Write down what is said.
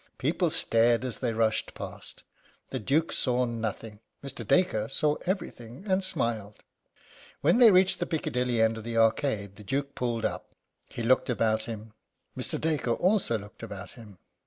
People stared as they rushed past. The Duke saw nothing. Mr. Dacre saw everything, and smiled. When they reached the Piccadilly end of the Arcade the Duke pulled up. He looked about him. Mr. Dacre also looked about him.